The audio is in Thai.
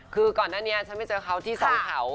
คือก่อนหน้านี้ฉันไม่เจอเขาที่สองเขา